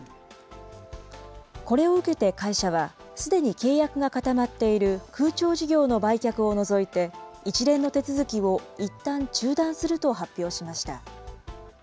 これを受けて会社は、すでに契約が固まっている空調事業の売却を除いて、一連の手続きをいったん中断すると発表しました。